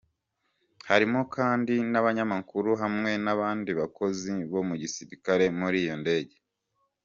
Harimwo kandi n'abanyamakuru hamwe n'abandi bakozi bo mu gisirikare muri iyo ndege.